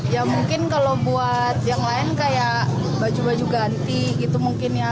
ya mungkin kalau buat yang lain kayak baju baju ganti gitu mungkin ya